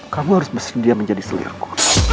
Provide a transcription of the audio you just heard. kamu harus bersedia menjadi seliarko